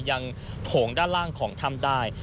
ยังโผล่งด้านล่างของท่ำได้